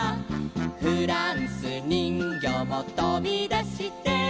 「フランスにんぎょうもとびだして」